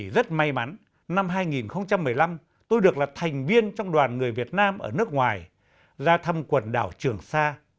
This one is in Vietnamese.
rất may mắn năm hai nghìn một mươi năm tôi được là thành viên trong đoàn người việt nam ở nước ngoài ra thăm quần đảo trường sa